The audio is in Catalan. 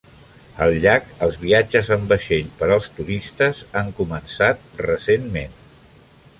Al llac, els viatges en vaixell per als turistes han començat recentment.